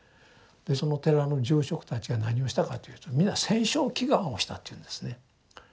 でその寺の住職たちが何をしたかというと皆戦勝祈願をしたっていうんですね。